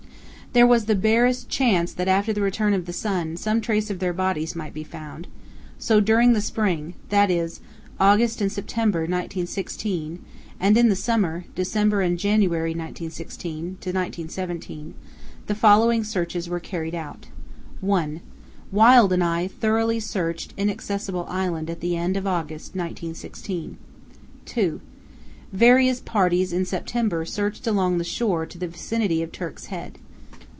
"There was the barest chance that after the return of the sun some trace of their bodies might be found, so during the spring—that is, August and September 1916—and in the summer—December and January 1916–17—the following searches were carried out: "(1) Wild and I thoroughly searched Inaccessible Island at the end of August 1916. "(2) Various parties in September searched along the shore to the vicinity of Turk's Head.